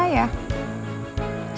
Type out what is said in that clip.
saya tidak mau kerja